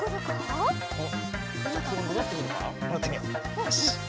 よし。